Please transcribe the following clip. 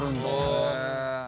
へえ。